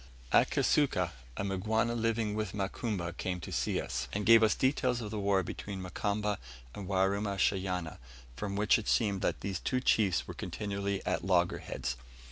At Kisuka a Mgwana living with Mukamba came to see us, and gave us details of the war between Mukamba and Warumashanya, from which it seemed that these two chiefs were continually at loggerheads.